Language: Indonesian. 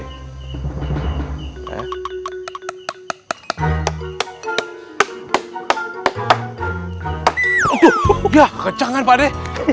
aduh kecangan pak adi